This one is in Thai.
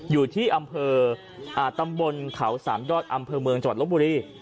อยู่ที่อำเภอตำบลเขาสามยอดอำเภอเมืองจังหวัดลบบุรี